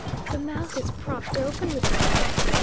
The mouth is propped open with a stick.